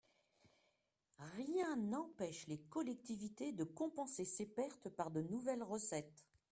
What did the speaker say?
Rien n’empêche les collectivités de compenser ces pertes par de nouvelles recettes.